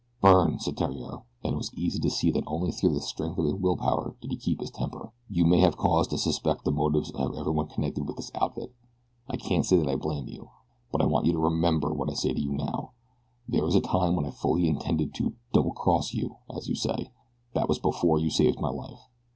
"Byrne," said Theriere, and it was easy to see that only through the strength of his will power did he keep his temper, "you may have cause to suspect the motives of everyone connected with this outfit. I can't say that I blame you; but I want you to remember what I say to you now. There was a time when I fully intended to 'double cross' you, as you say that was before you saved my life.